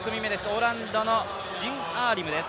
オランダのジンＡリムです。